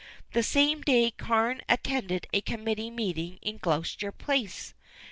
The same day Carne attended a committee meeting in Gloucester Place.